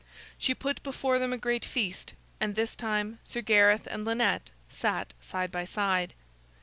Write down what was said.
She put before them a great feast, and this time Sir Gareth and Lynette sat side by side.